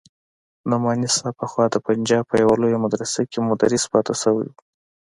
نعماني صاحب پخوا د پنجاب په يوه لويه مدرسه کښې مدرس پاته سوى و.